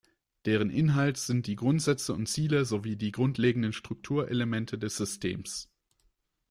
Deren Inhalt sind die Grundsätze und Ziele sowie die grundlegenden Strukturelemente des Systems.